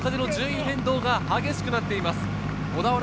山の中での順位変動が激しくなっています。